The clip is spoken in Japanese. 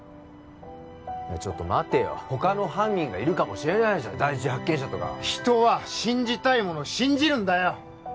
ちょっと待てよ他の犯人がいるかもしれないじゃん第一発見者とか人は信じたいものを信じるんだよ